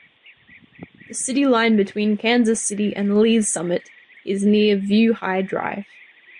The city line between Kansas City and Lee's Summit is near View High Drive.